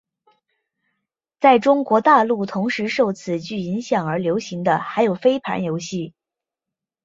在中国大陆同时受此剧影响而流行的还有飞盘游戏。